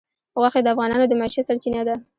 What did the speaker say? غوښې د افغانانو د معیشت سرچینه ده.